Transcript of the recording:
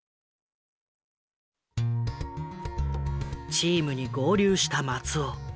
チームに合流した松尾。